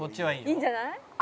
「いいんじゃない？」